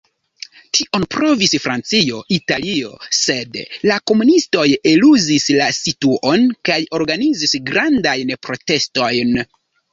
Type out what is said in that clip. Tion provis Francio, Italio, sed la komunistoj eluzis la situon kaj organizis grandajn protestojn.